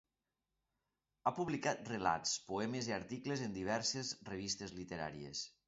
Ha publicat relats, poemes i articles en diverses revistes literàries.